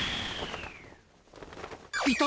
いた！